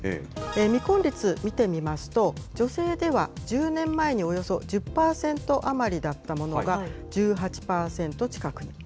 未婚率見てみますと、女性では１０年前におよそ１０％余りだったものが１８％近くに。